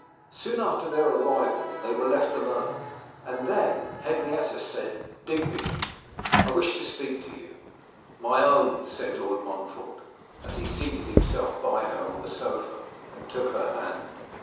Soon after their arrival they were left alone, and then Henrietta said, 'Digby, I wish to speak to you!' 'My own!' said Lord Montfort, as he seated himself by her on the sofa, and took her hand.